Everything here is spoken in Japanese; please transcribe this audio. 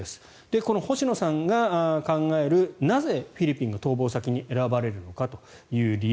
この星野さんが考えるなぜ、フィリピンが逃亡先に選ばれるのかという理由